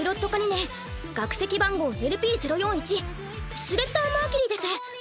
２年学籍番号ＬＰ０４１スレッタ・マーキュリーです